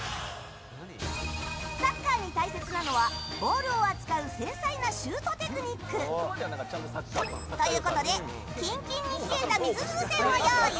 サッカーに大切なのはボールを扱う繊細なシュートテクニック。ということでキンキンに冷えた水風船を用意。